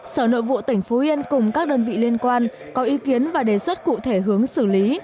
sở nội vụ tỉnh phú yên cùng các đơn vị liên quan có ý kiến và đề xuất cụ thể hướng xử lý